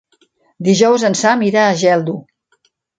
Dijous en Sam irà a Geldo.